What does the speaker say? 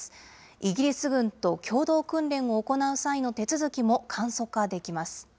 イギリス軍と共同訓練を行う際の手続きも簡素化できます。